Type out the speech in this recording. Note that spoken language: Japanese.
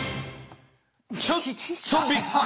ちょっとびっくり。